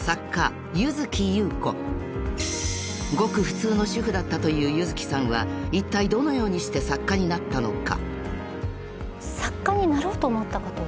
［ごく普通の主婦だったという柚月さんはいったいどのようにして作家になったのか］